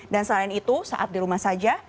dan selain itu saat di rumah saja